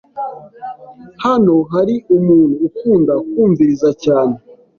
Hano hari umuntu ukunda kumviriza cyane?